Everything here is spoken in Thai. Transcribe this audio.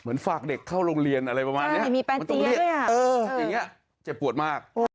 เหมือนฝากเด็กเข้าโรงเรียนอะไรประมาณนี้มันตรวจเรียกอย่างนี้จะปวดมากโอ้